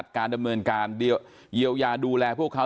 การดำเนินการเยียวยาดูแลพวกเขา